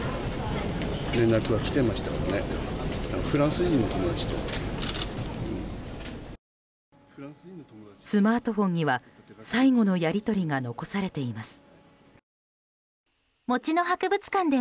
スマートフォンには、最後のやり取りが残されています。